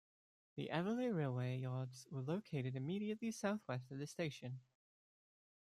The Eveleigh railway yards were located immediately south-west of the station.